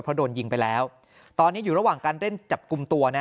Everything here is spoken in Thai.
ไปแล้วตอนนี้อยู่ระหว่างการเล่นจับกลุ้มตัวนะฮะ